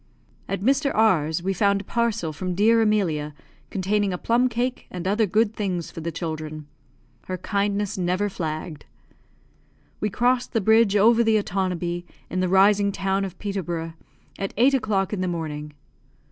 At Mr. R 's, we found a parcel from dear Emilia, containing a plum cake and other good things for the children. Her kindness never flagged. We crossed the bridge over the Otonabee, in the rising town of Peterborough, at eight o'clock in the morning.